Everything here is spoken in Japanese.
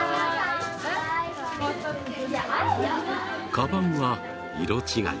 かばんは色違い。